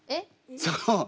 そう。